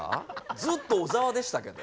ずっと小沢でしたけど。